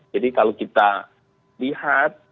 jadi kalau kita lihat